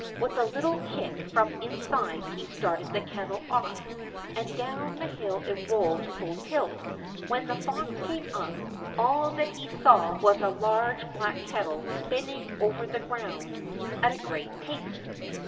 With a little kick from the inside he started the kettle off, and down the hill it rolled full tilt; and when the fox came up, all that he saw was a large black kettle spinning over the ground at a great pace.